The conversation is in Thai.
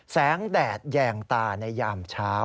แดดแยงตาในยามเช้า